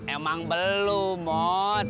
emang belum mot